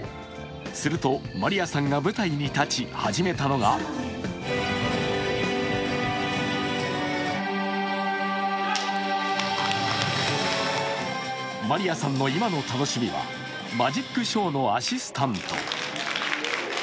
すると、マリヤさんが舞台に立ち始めたのがマリヤさんの今の楽しみはマジックショーのアシスタント。